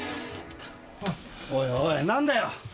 おいおい何だよ。